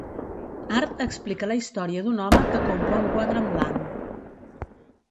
Art explica la història d’un home que compra un quadre en blanc.